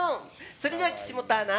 それでは岸本アナ